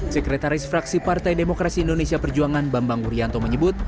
sekretaris fraksi partai demokrasi indonesia perjuangan bambang wuryanto menyebut